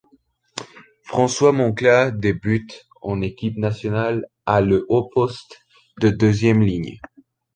François Moncla débute en équipe nationale à le au poste de deuxième ligne.